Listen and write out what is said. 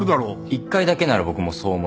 １回だけなら僕もそう思いました。